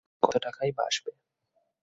কতো টাকাই বা আসবে?